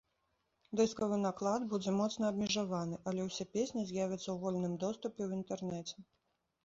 Дыскавы наклад будзе моцна абмежаваны, але ўсе песні з'явяцца ў вольным доступе ў інтэрнэце.